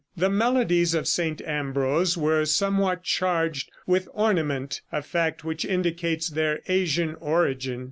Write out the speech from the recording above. The melodies of St. Ambrose were somewhat charged with ornament, a fact which indicates their Asiatic origin.